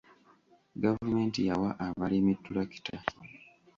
Gavumenti yawa abalimi ttulakita.